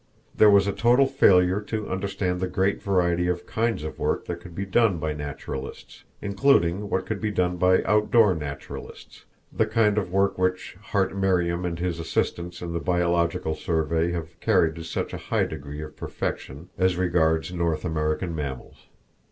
There was a total failure to understand the great variety of kinds of work that could be done by naturalists, including what could be done by outdoor naturalists the kind of work which Hart Merriam and his assistants in the Biological Survey have carried to such a high degree of perfection as regards North American mammals.